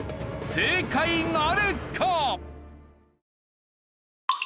正解なるか？